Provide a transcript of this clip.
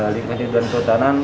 lingkah tiduran kehutanan